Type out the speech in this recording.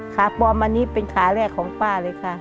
ขาปลอมอันนี้เป็นขาแรกของป้าเลยค่ะ